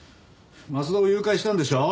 松田を誘拐したんでしょ？